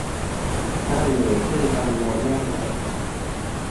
ตั้งอยู่ที่ตำบลแม่นะ